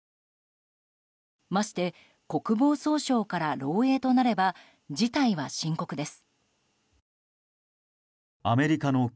まして国防総省から漏洩となれば事態は深刻です。